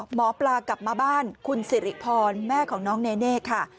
หมอปลากลับมาบ้านคุณสิริพรแม่ของน้องเนเน่ค่ะ